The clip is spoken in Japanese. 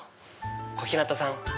小日向さん